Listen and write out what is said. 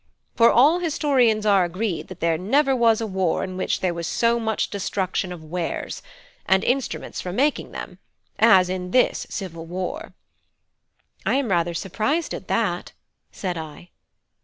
For all historians are agreed that there never was a war in which there was so much destruction of wares, and instruments for making them as in this civil war." "I am rather surprised at that," said I.